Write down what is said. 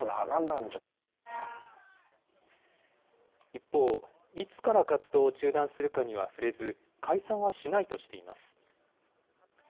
一方、いつから活動を中断するかには触れず、解散はしないとしています。